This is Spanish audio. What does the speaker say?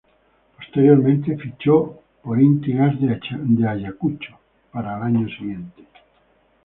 Posteriormente, fichó por Inti Gas de Ayacucho para el año siguiente.